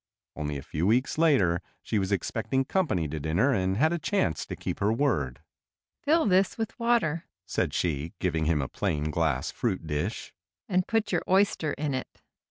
Only a few weeks later she was expecting company to dinner and had a chance to keep her word. "Fill this with water," said she, giving him a plain glass fruit dish, "and put your oyster in it."